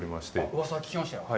うわさは聞きましたよ。